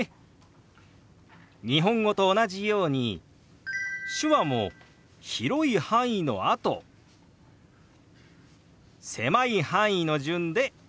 日本語と同じように手話も広い範囲のあと狭い範囲の順で表します。